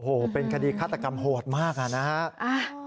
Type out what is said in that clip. โอ้โหเป็นคดีฆาตกรรมโหดมากนะครับ